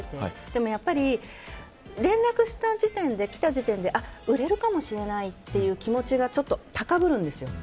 でも、やっぱり連絡した時点で、来た時点で売れるかもしれないっていう気持ちが高ぶるんですよ。